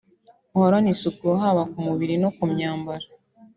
muhorane isuku haba ku mubiri no ku myambaro